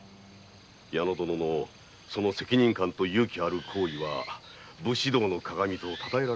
矢野殿のその責任感と勇気ある行為は武士道の鑑と讃えられました。